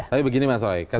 oke tapi begini mas soe